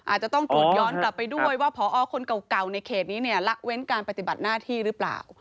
อาจจะต้องตรวจย้อนกลับไปด้วยว่าพอคนเก่าในเขตนี้เนี่ยละเว้นการปฏิบัติหน้าที่หรือเปล่า